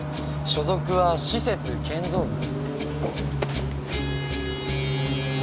所属は施設建造部。